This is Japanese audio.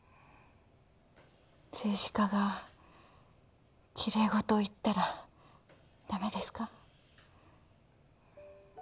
政治家がきれい事を言ったらダメですか？